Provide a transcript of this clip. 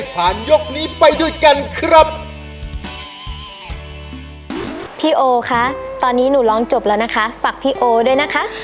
พี่โอคะตอนนี้หนูร้องจบแล้วนะคะฝากพี่โอด้วยนะคะ